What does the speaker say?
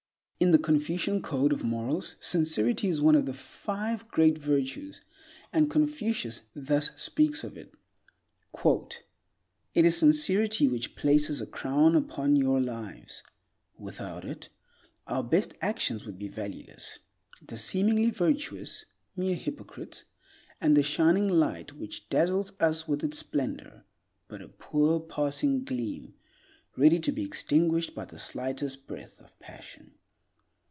In the Confucian code of morals sincerity is one of the "Five Great Virtues," and Confucius thus speaks of it: "It is sincerity which places a crown upon your lives. Without it, our best actions would be valueless; the seemingly virtuous, mere hypocrites; and the shining light which dazzles us with its splendor, but a poor passing gleam ready to be extinguished by the slightest breath of passion.